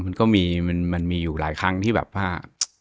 มันก็มีมันมีอยู่หลายครั้งที่แบบว่า